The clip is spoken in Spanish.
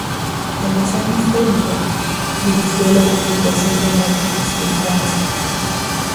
En los años treinta, dirigió la publicación del Atlas de Francia.